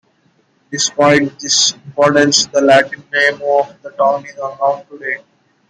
Despite this importance the Latin name of the town is unknown today.